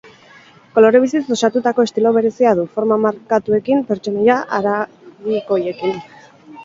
Kolore biziz osatutako estilo berezia du, forma markatuekin, pertsonaia haragikoiekin.